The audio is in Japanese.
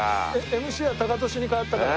ＭＣはタカトシに変わったから。